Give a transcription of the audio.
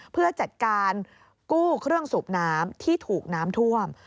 เพื่อจัดการกู้เครื่องสูบน้ำที่ถูกน้ำท่วม